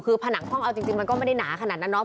คือผนังห้องเอาจริงมันก็ไม่ได้หนาขนาดนั้นเนาะ